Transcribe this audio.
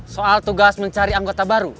soal tugas mencari anggota baru